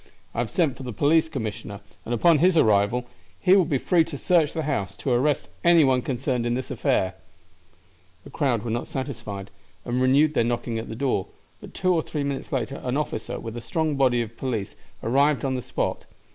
I have sent for the police commissioner, and upon his arrival he will be free to search the house, and to arrest any one concerned in this affair." The crowd were not satisfied, and renewed their knocking at the door; but two or three minutes later an officer, with a strong body of police, arrived on the spot.